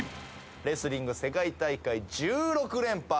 レスリング世界大会１６連覇